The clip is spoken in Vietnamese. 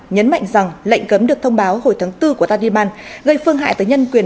nhấn mạnh rằng lệnh cấm được thông báo hồi tháng bốn của tandiman gây phương hại tới nhân quyền